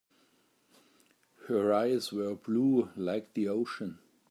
Her eyes were blue like the ocean.